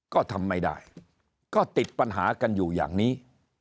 ก็ทำไม่ได้ก็ติดปัญหากันอยู่อย่างนี้